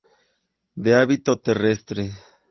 De hábito terrestre.